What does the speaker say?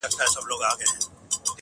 موټي کې مې کلکې د ماشوم غوندې خوندي